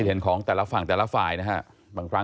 มันลงในหนังสือว่าเป็นธนัยความ